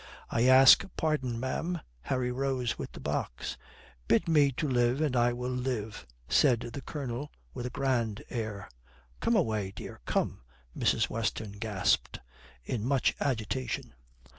"I ask pardon, ma'am." Harry rose with the box. "'Bid me to live and I will live,'" said the Colonel, with a grand air. "Come away, dear, come," Mrs. Weston gasped, in much agitation.